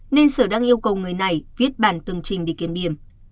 nên sở đang yêu cầu người này viết bản từng trình để kiểm điểm